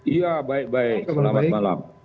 iya baik baik selamat malam